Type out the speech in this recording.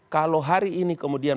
kalau hari ini kemudian